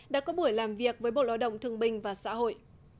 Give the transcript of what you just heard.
đã có buổi làm việc với bộ lao động thương bình và xã hội